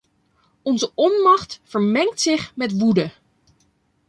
Onze onmacht vermengt zich met woede.